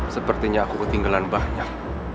sepertinya aku ketinggalan banyak